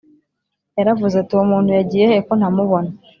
Yaravuze ati uwo muntu yagiye he kontamubona